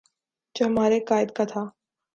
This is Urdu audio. جو ہمارے قاہد کا تھا